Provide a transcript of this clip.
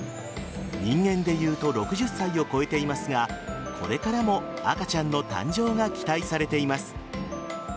人間でいうと６０歳を超えていますがこれからも赤ちゃんの誕生が期待されています。